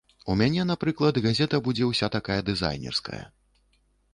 У мяне, напрыклад, газета будзе ўся такая дызайнерская.